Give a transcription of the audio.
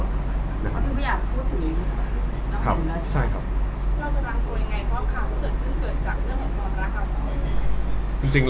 ไม่ได้หรอ